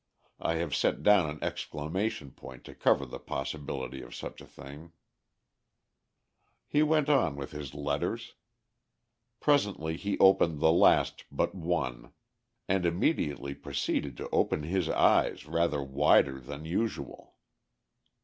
I have set down an exclamation point to cover the possibility of such a thing. He went on with his letters. Presently he opened the last but one, and immediately proceeded to open his eyes rather wider than usual.